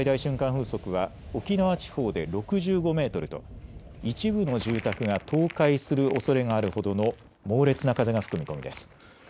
風速は沖縄地方で６５メートルと一部の住宅が倒壊するおそれがあるほどの猛烈な風が吹く見込みです。